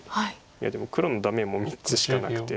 いやでも黒のダメも３つしかなくて。